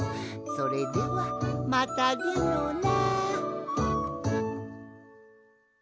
それではまたでのな。